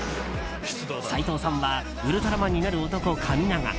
斎藤さんはウルトラマンになる男・神永。